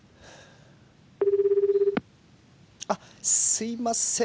あっすいません